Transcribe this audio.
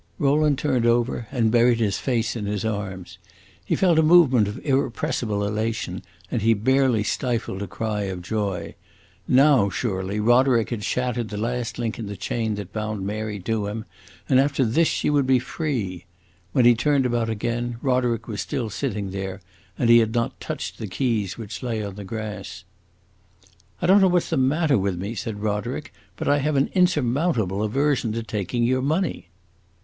Rowland turned over and buried his face in his arms. He felt a movement of irrepressible elation, and he barely stifled a cry of joy. Now, surely, Roderick had shattered the last link in the chain that bound Mary to him, and after this she would be free!... When he turned about again, Roderick was still sitting there, and he had not touched the keys which lay on the grass. "I don't know what is the matter with me," said Roderick, "but I have an insurmountable aversion to taking your money."